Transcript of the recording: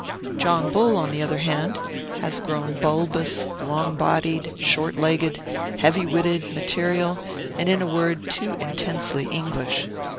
John Bull, on the other hand, has grown bulbous, long bodied, short legged, heavy witted, material, and, in a word, too intensely English.